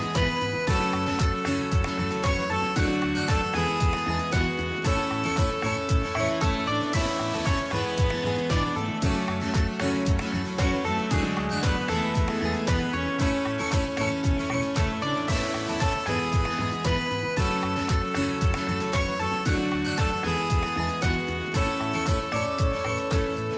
สวัสดีครับสวัสดีครับสวัสดีครับ